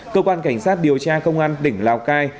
cơ quan cảnh sát điều tra công an tỉnh lào cai